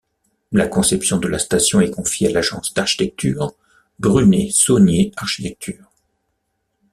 La conception de la station est confiée à l'agence d'architecture Brunet Saunier Architecture.